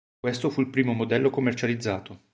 Questo fu il primo modello commercializzato.